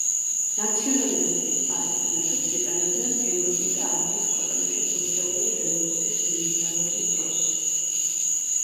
ნაციონალიზაციის ასეთ მეთოდს იყენებდნენ ევროპის და აზიის ქვეყნებში სოციალური რევოლუციის მიმდინარეობის დროს.